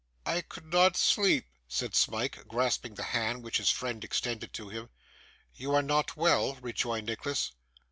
'I could not sleep,' said Smike, grasping the hand which his friend extended to him. 'You are not well?' rejoined Nicholas.